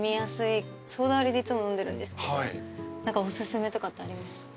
ソーダ割りでいつも飲んでるんですけど何かおすすめとかってありますか？